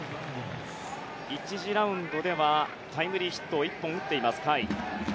１次ラウンドではタイムリーヒットを１本打っている甲斐。